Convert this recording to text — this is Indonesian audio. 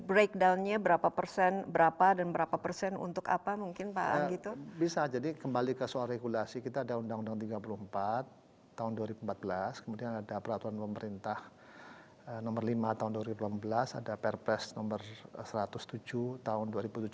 bisa jadi kembali ke soal regulasi kita ada undang undang tiga puluh empat tahun dua ribu empat belas kemudian ada peraturan pemerintah nomor lima tahun dua ribu enam belas ada perpres nomor satu ratus tujuh tahun dua ribu tujuh belas